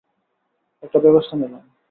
একটা ব্যবস্থা নিলাম।